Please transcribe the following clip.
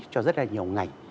cho rất là nhiều ngành